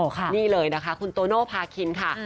นี่เลยนะคะคุณโตโน่พาคินค่ะ